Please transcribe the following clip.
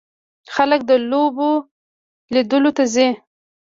خلک د لوبو لیدلو ته ځي.